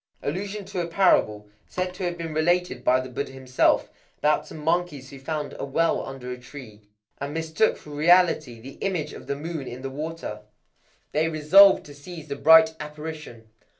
Allusion to a parable, said to have been related by the Buddha himself, about some monkeys who found a well under a tree, and mistook for reality the image of the moon in the water. They resolved to seize the bright apparition.